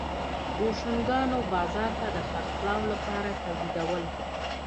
بوشونګانو بازار ته د خرڅلاو لپاره تولیدول.